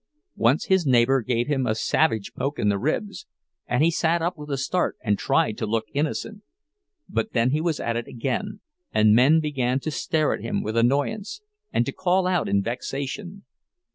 Once his neighbor gave him a savage poke in the ribs, and he sat up with a start and tried to look innocent; but then he was at it again, and men began to stare at him with annoyance, and to call out in vexation.